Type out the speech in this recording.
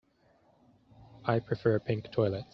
I prefer pink toilets.